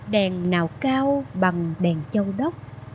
đèn nào cao bằng đèn châu đốc